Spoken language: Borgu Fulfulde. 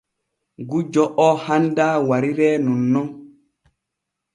Gujjo oo handaa wariree nonnon.